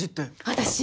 私。